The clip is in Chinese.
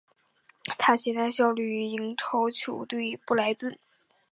他现在效力于英超球队布莱顿。